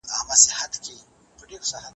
د دلارام مځکې د سپینو غنمو لپاره ډېري ښې دي